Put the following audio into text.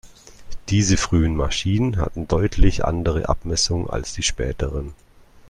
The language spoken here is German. Diese frühen Maschinen hatten deutlich andere Abmessungen als die späteren.